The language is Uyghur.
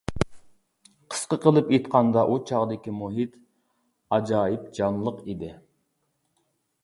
قىسقا قىلىپ ئېيتقاندا ئۇ چاغدىكى مۇھىت ئاجايىپ جانلىق ئىدى.